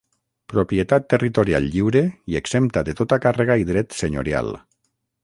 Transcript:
Propietat territorial lliure i exempta de tota càrrega i dret senyorial.